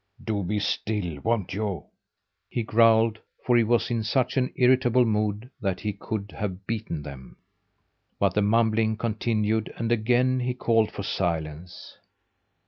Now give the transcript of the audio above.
"Do be still, won't you?" he growled, for he was in such an irritable mood that he could have beaten them. But the mumbling continued, and again he called for silence.